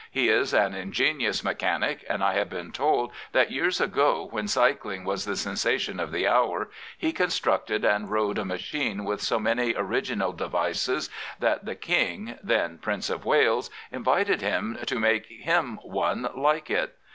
He is an ingenious mechanic* and I have been told that years ago, when cycling was the sensation of the hour, 54 The Premier he constructed and rode a machine with so many original devices that the King, then Prince of Wales, invited him to make him one like it.